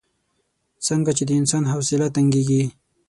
څنګه چې د انسان حوصله تنګېږي.